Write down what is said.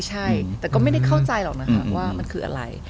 ใช่แต่ก็ไม่ได้เข้าใจหรอกนะคะว่ามันคืออะไร